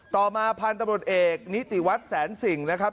ต่อมาพันธุ์ตำรวจเอกนิติวัฒน์แสนสิ่งนะครับ